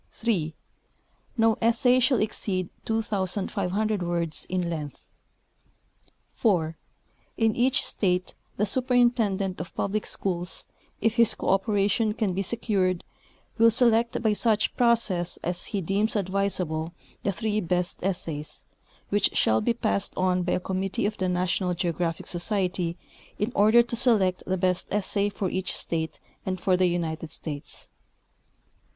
3. No essay shall exceed 2,000 words in length. 4. In each state the Superintendent of Public Schools, if his cooperation can be secured, will select, by such jirocess as he deems advisable, the three best essays, which shall be passed on by a committee of the National Geographic Society in order to select the best essay for each state and for the United States.